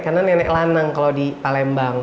karena nenek lanang kalau di palembang